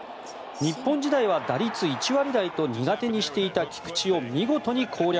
日本時代は打率１割台と苦手にしていた菊池を見事に攻略。